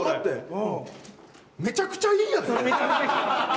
めちゃくちゃいいやつじゃん！